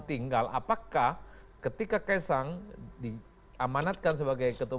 tinggal apakah ketika kaisang diamanatkan sebagai kota umum